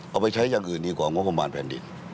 เอาไปใช้อย่างอื่นดีกว่างบประมาณแผ่นดิน